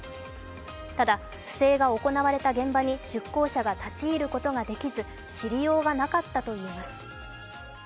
ただ、不正が行われた現場に出向者が立ち入ることができず、知りようがなかったといいます。